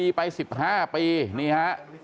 กลับไปลองกลับ